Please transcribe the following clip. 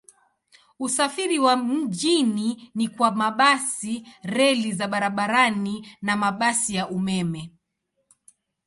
Usafiri wa mjini ni kwa mabasi, reli za barabarani na mabasi ya umeme.